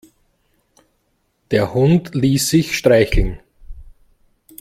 Der Hund ließ sich streicheln.